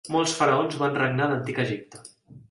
Molts faraons van regnar a l'antic Egipte.